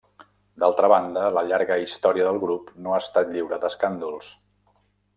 D'altra banda, la llarga història del grup no ha estat lliure d'escàndols.